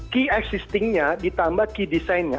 key existingnya ditambah key desainnya